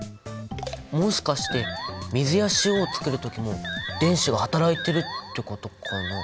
もしかして水や塩をつくるときも電子が働いてるってことかな？